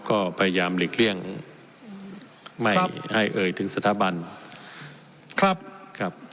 ก็พยายามหลีกเลี่ยงไม่ให้เอ่ยถึงสถาบันครับครับ